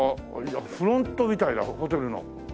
フロントみたいだホテルの。